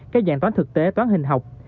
các dạng toán thực tế toán hình học